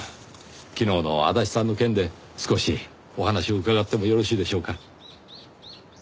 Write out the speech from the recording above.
昨日の足立さんの件で少しお話を伺ってもよろしいでしょうか？